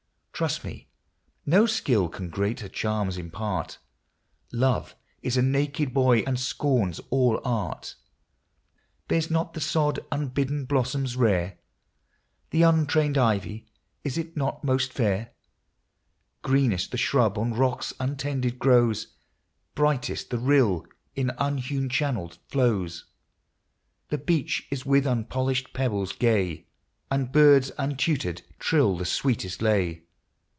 Trust me, no skill can greater charms impart: Love is a naked boy and scorns all art. Bears not the sod unbidden blossoms rare ? The untrained ivy, is it not most fair? Greenest the shrub on rocks untended grows, Brightest the rill in unhewn channel flows. The beach is with unpolished pebbles gay, And birds untutored trill the sweetest lay.